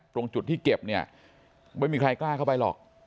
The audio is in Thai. ตรงจุดที่เก็บเนี่ยไม่มีใครกล้าเข้าไปหรอก